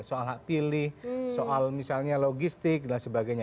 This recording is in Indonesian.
soal hak pilih soal misalnya logistik dan sebagainya